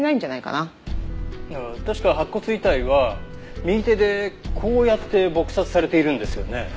いや確か白骨遺体は右手でこうやって撲殺されているんですよね？